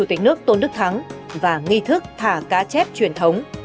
tuyệt nước tôn đức thắng và nghi thức thả cá chép truyền thống